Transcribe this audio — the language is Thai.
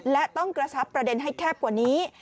และต้องกระชับประเด็นให้แคบกว่านี้